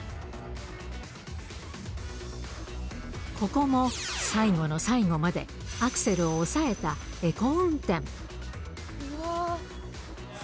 ここも、最後の最後まで、アクセルを抑えたエコ運転。